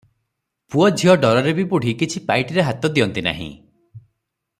ପୁଅ ଝିଅ ଡରରେ ବି ବୁଢ଼ୀ କିଛି ପାଇଟିରେ ହାତ ଦିଅନ୍ତି ନାହିଁ ।